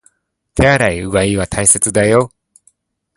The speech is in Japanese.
手洗い、うがいは大切だよ